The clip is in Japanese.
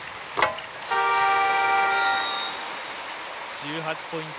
１８ポイント